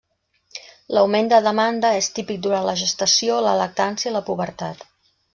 L'augment de demanda és típic durant la gestació, la lactància i la pubertat.